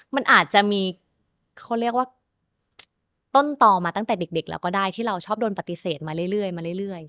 มันอาจจะมีต้นต่อมาตั้งแต่เด็กแล้วก็ได้ที่เราชอบโดนปฏิเสธมาเรื่อย